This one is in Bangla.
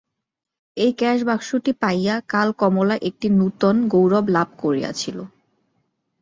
এই ক্যাশবাক্সটি পাইয়া কাল কমলা একটি নূতন গৌরব লাভ করিয়াছিল।